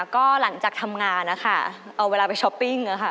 ก็หลังจากทำงานนะคะเอาเวลาไปช้อปปิ้งค่ะ